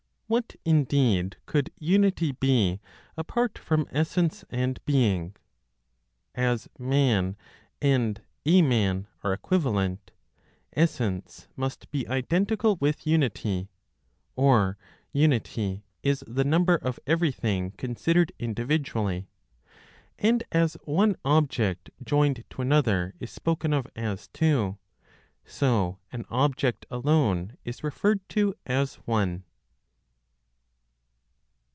What indeed could unity be, apart from essence and being? As "man," and "a man" are equivalent, essence must be identical with unity; or, unity is the number of everything considered individually; and as one object joined to another is spoken of as two, so an object alone is referred to as one.